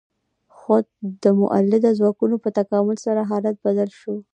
خو د مؤلده ځواکونو په تکامل سره حالت بدل شو.